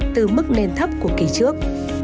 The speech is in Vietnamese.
từ mức nền thấp của kỷ trước